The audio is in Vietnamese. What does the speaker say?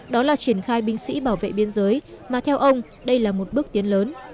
đó là triển khai binh sĩ bảo vệ biên giới mà theo ông đây là một bước tiến lớn